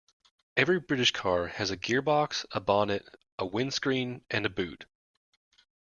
Every British car has a gearbox, a bonnet, a windscreen, and a boot